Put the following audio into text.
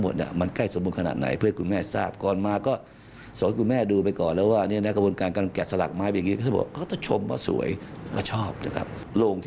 ดอกไม้เราก็พยายามลดลง